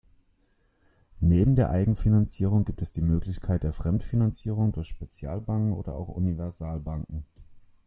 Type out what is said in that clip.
Neben der Eigenfinanzierung gibt es die Möglichkeit der Fremdfinanzierung durch Spezialbanken oder auch Universalbanken.